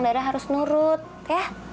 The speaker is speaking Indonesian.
dara harus nurut ya